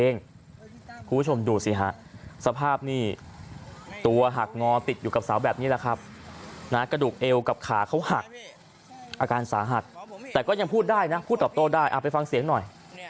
นากระดูกเอวกับขาเขาหักอาการสาหักแต่ก็ยังพูดได้นะพูดตอบโตได้เอาไปฟังเสียงหน่อย